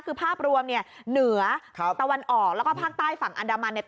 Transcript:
คือภาพรวมเนี่ยเหนือตะวันออกแล้วก็ภาคใต้ฝั่งอันดามันเนี่ย